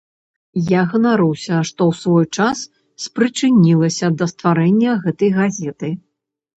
Я ганаруся, што ў свой час спрычынілася да стварэння гэтай газеты.